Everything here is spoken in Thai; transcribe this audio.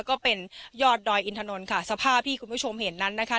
ก็เป็นยอดดอยอินถนนค่ะสภาพที่คุณผู้ชมเห็นนั้นนะคะ